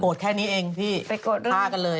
โกรธแค่นี้เองพี่พากันเลย